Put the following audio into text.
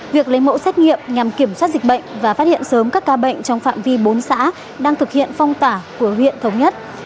việc lấy mẫu xét nghiệm nhằm kiểm soát dịch bệnh và phát hiện sớm các ca bệnh trong phạm vi bốn xã đang thực hiện phong tả của huyện thống nhất